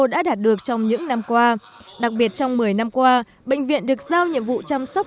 đã đạt được trong những năm qua đặc biệt trong một mươi năm qua bệnh viện được giao nhiệm vụ chăm sóc